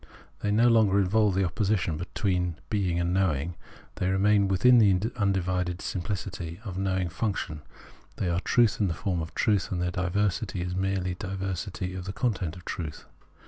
They no longer involve the opposition between being and knowing ; they remain within the imdivided sim plicity of the knowing function ; they are the truth in the form of truth, and their diversity is merely diversity of the content of truth.